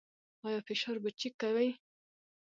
ایا فشار به چیک کوئ؟